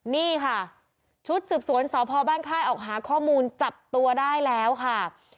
นี่ค่ะชุดสืบสวนสพบ้านค่ายออกหาข้อมูลจับตัวได้แล้วค่ะ